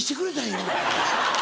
今。